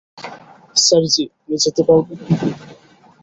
Sir ji, আপনি যেতে পারবেন?